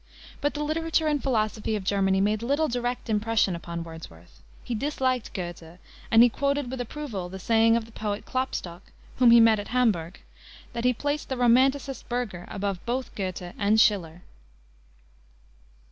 But the literature and philosophy of Germany made little direct impression upon Wordsworth. He disliked Goethe, and he quoted with approval the saying of the poet Klopstock, whom he met at Hamburg, that he placed the romanticist Burger above both Goethe and Schiller.